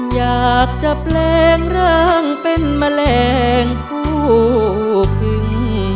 อยากจะแปลงร่างเป็นแมลงผู้พึง